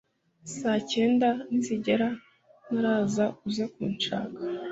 saa kenda nizigera ntaraza uze kunshaka